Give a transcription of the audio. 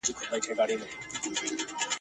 زه اړ نه یم چي مي لوری ستا پر کور کم !.